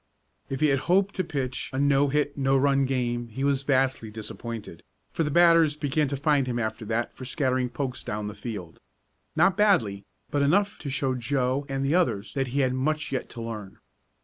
If he had hoped to pitch a no hit, no run game he was vastly disappointed, for the batters began to find him after that for scattering pokes down the field. Not badly, but enough to show to Joe and the others that he had much yet to learn.